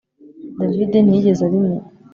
David ntiyigeze abimenya